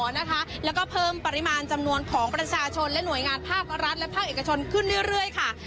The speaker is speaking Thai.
แล้วก็เพิ่มปริมาณจำนวนของประชาชนและหน่วยงานภาครัฐและภาคเอกชนขึ้นเรื่อยค่ะ